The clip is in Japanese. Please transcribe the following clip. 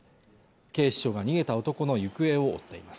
警視庁が逃げた男の行方を追っています